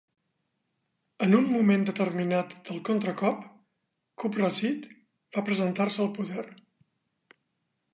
En un moment determinat del contracop, Kouprasith va presentar-se al poder.